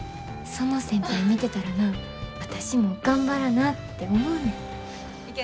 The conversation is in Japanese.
その先輩見てたらな私も頑張らなて思うねん。